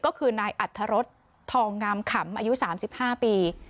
ก็คือนายอัธรสทองงามขำอายุ๓๕ปี